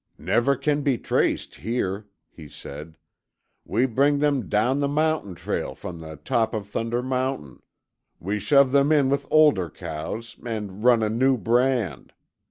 "Never can be traced here," he said. "We bring them down the mountain trail from the top of Thunder Mountain; we shove them in with older cows and run a new brand.